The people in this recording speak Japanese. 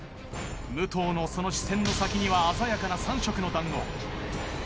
武藤のその視線の先には鮮やかな３色の団子。